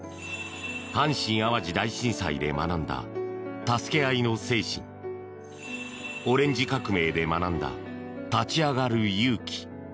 阪神・淡路大震災で学んだ助け合いの精神オレンジ革命で学んだ立ち上がる勇気。